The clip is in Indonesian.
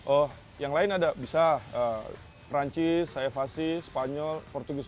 oh yang lain ada bisa perancis saevasi spanyol portugis